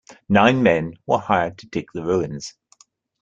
Nine men were hired to dig the ruins.